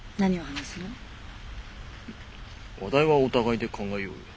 話題はお互いで考えようよ。